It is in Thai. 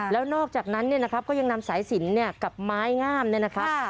แล้วนอกจากนั้นนะครับก็ยังนำสายสินกับไม้ง่ามนะครับ